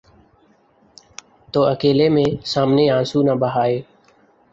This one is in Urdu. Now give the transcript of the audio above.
تو اکیلے میں، سامنے آنسو نہ بہائے۔